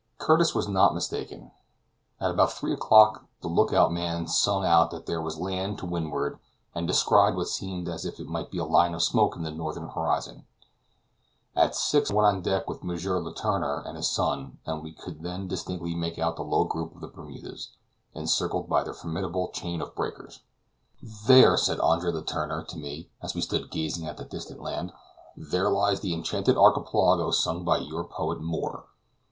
Curtis was not mistaken. At about three o'clock the look out man sung out that there was land to windward, and descried what seemed as if it might be a line of smoke in the northeast horizon. At six, I went on deck with M. Letourneur and his son, and we could then distinctly make out the low group of the Bermudas, encircled by their formidable chain of breakers. "There," said Andre Letourneur to me, as we stood gazing at the distant land, "there lies the enchanted archipelago, sung by your poet Moore.